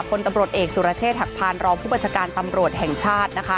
คนตำรวจเอกสุรเชษฐหักพานรองผู้บัญชาการตำรวจแห่งชาตินะคะ